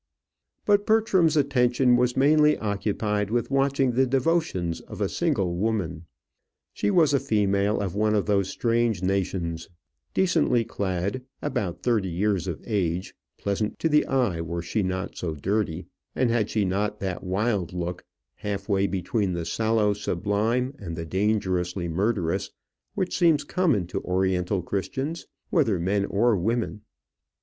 But Bertram's attention was mainly occupied with watching the devotions of a single woman. She was a female of one of those strange nations, decently clad, about thirty years of age, pleasant to the eye were she not so dirty, and had she not that wild look, half way between the sallow sublime and the dangerously murderous, which seems common to oriental Christians, whether men or women.